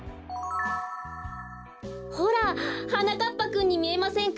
ほらはなかっぱくんにみえませんか？